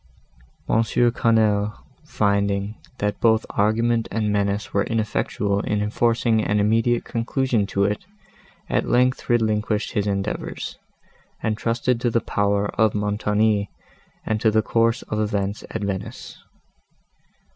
M. Quesnel, finding, that both argument and menace were ineffectual in enforcing an immediate conclusion to it, at length relinquished his endeavours, and trusted to the power of Montoni and to the course of events at Venice.